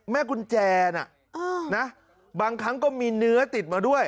แม่กุญแจน่ะนะบางครั้งก็มีเนื้อติดมาด้วย